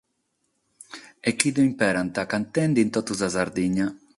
E chi l’impreant cantende in totu sa Sardigna.